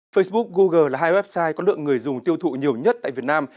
facebook google là hai website có lượng người dùng tiêu thụ nhiều nhất tại việt nam